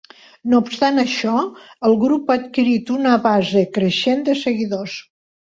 No obstant això, el grup ha adquirit una base creixent de seguidors.